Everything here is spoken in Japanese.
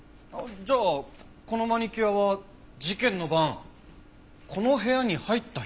じゃあこのマニキュアは事件の晩この部屋に入った人のもの？